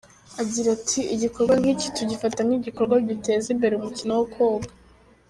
Agira ati “Igikorwa nk’iki tugifata nk’igikorwa giteza imbere umukino wo koga.